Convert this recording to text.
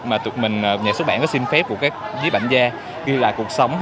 mà tụi mình nhà xuất bản có xin phép của các giếp ảnh gia ghi lại cuộc sống